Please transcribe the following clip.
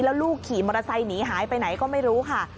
แล้วลูกขี่มอเตอร์ไซค์หนีหายไปไหนก็ไม่รู้ค่ะ